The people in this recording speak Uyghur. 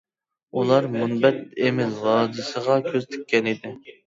ئۇلار مۇنبەت ئېمىل ۋادىسىغا كۆز تىككەنىدى.